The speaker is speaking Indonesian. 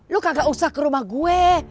lo kagak usah ke rumah gue